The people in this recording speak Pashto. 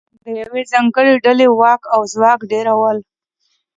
د یوې ځانګړې ډلې واک او ځواک ډېرول